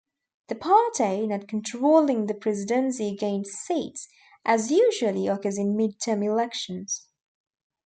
The party not controlling the presidency gained seats, as usually occurs in mid-term elections.